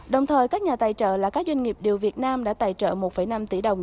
đồng thời các nhà tài trợ là các doanh nghiệp điều việt nam đã tài trợ một năm tỷ đồng